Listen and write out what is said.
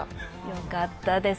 よかったです。